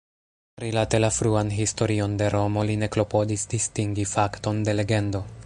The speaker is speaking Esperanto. Rilate la fruan historion de Romo, li ne klopodis distingi fakton de legendo.